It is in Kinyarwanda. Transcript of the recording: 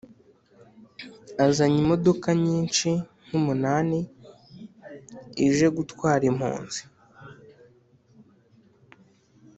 azanye imodoka nyinshi nk’umunani ije gutwara impunzi